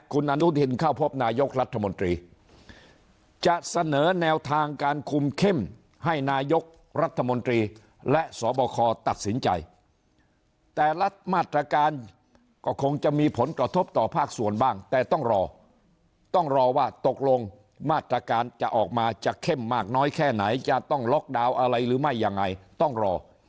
คุณอนุทินเข้าพบนายกรัฐมนตรีจะเสนอแนวทางการคุมเข้มให้นายกรัฐมนตรีและสบคตัดสินใจแต่รัฐมาตรการก็คงจะมีผลกระทบต่อภาคส่วนบ้างแต่ต้องรอต้องรอว่าตกลงมาตรการจะออกมาจะเข้มมากน้อยแค่ไหนจะต้องล็อกดาวน์อะไรหรือไม่ยังไงต้องรอ